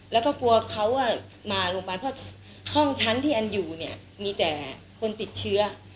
แล้วก็กลัวเขามาโรงพยาบาลเพราะห้องชั้นที่อันอยู่เนี่ยมีแต่คนติดเชื้อ